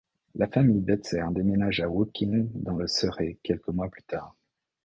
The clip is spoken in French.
La famille Bedser déménage à Woking, dans le Surrey, quelques mois plus tard.